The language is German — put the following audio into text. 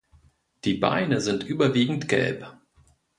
Die Beine sind überwiegend gelb.